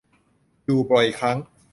อยู่บ่อยครั้ง